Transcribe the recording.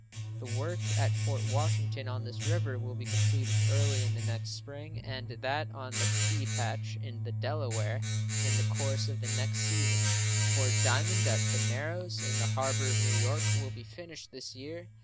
The work at Fort Washington, on this river, will be completed early in the next spring, and that on the Pea Patch, in the Delaware, in the course of the next season. Fort Diamond, at the Narrows, in the harbor of New York, will be finished this year.